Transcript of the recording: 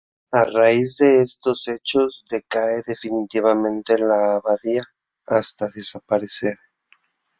A raíz de estos hechos decae definitivamente la abadía, hasta desaparecer.